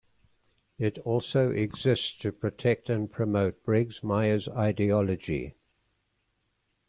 It also exists to protect and promote Briggs Myers' ideology.